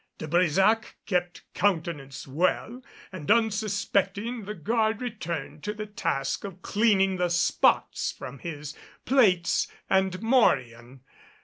De Brésac kept countenance well; and, unsuspecting, the guard returned to the task of cleaning the spots from his plates and morion.